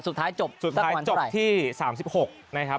สุดท้ายจบสักประมาณเท่าไหร่สุดท้ายจบที่๓๖นะครับ